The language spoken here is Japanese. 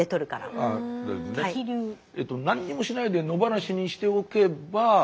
何にもしないで野放しにしておけば。